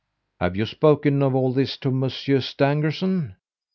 "'Have you spoken of all this to Monsieur Stangerson?